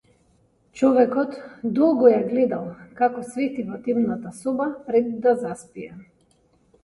Човекот долго ја гледал како свети во темната соба пред да заспие.